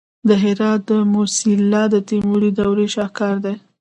د هرات د موسیلا د تیموري دورې شاهکار دی